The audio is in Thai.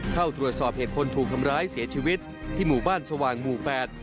เข้าตรวจสอบเหตุคนถูกทำร้ายเสียชีวิตที่หมู่บ้านสว่างหมู่แปด